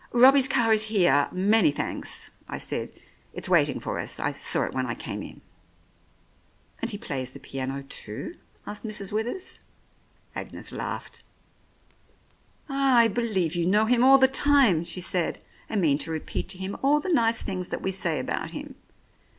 "Robbie's car is here, many thanks," I said. "It's waiting for us. I saw it when I came in." "And he plays the piano too?" asked Mrs. Withers. Agnes laughed. "Ah, I believe you know him all the time," she said, "and mean to repeat to him all the nice things that we say about him.